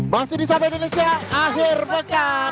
masih di sapa indonesia akhir bekan